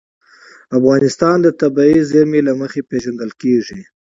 افغانستان د طبیعي زیرمې له مخې پېژندل کېږي.